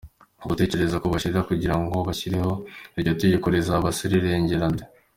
Gutegereza rero ko bashira kugira ngo bashyireho iryo tegeko, rizaba se rirengera nde?”.